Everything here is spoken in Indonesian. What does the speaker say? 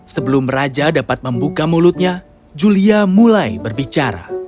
sebelum raja dapat membuka mulutnya julia mulai berbicara